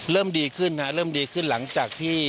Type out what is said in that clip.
เริ่มดีขึ้นฮะเริ่มดีขึ้นหลังจากที่